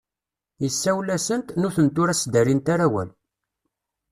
Yessawel-asent, nutenti ur as-d-rrint ara awal.